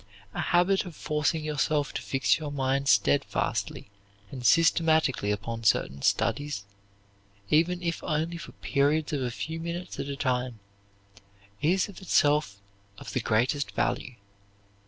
A habit of forcing yourself to fix your mind steadfastly and systematically upon certain studies, even if only for periods of a few minutes at a time, is, of itself, of the greatest value.